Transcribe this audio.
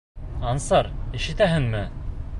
Ансар, ишетәһеңме?